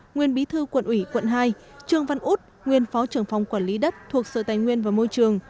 nguyên bí thư quận ủy quận hai trương văn út nguyên phó trưởng phòng quản lý đất thuộc sở tài nguyên và môi trường